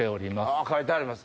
あぁ書いてあります